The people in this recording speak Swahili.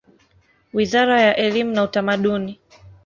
Wizara ya elimu na Utamaduni.